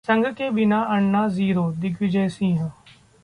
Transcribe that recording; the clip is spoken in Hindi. संघ के बिना अन्ना जीरो: दिग्विजय सिंह